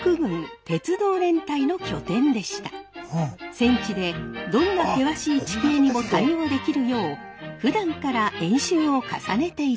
戦地でどんな険しい地形にも対応できるようふだんから演習を重ねていたんです。